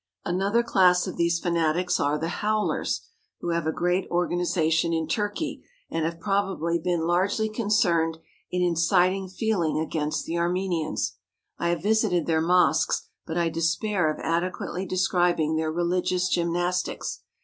Another class of these fanatics are the howlers, who have a great organization in Turkey, and have probably been largely concerned in inciting feeling against the Armenians. I have visited their mosques, but I despair of adequately describing their religious gymnastics.